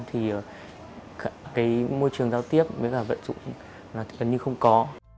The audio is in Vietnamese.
thì môi trường giao tiếp với vận dụng gần như không có